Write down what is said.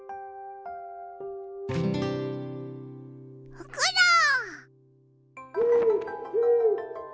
ふくろう。